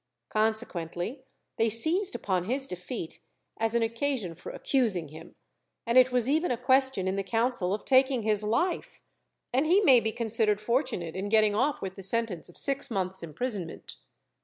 Consequently, they seized upon his defeat as an occasion for accusing him, and it was even a question in the council of taking his life, and he may be considered fortunate in getting off with the sentence of six months' imprisonment.